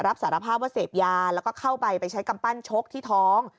รับสารภาพว่าเสพยาแล้วก็เข้าไปไปใช้กำปั้นชกที่ท้อง